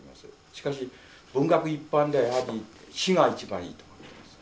しかし文学一般ではやはり詩が一番いいと思ってます。